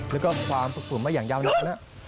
แล้วก็ความสุขฝุมมาอย่างยาวหนักนะ